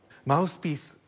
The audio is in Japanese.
マウスピース。